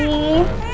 mama di sini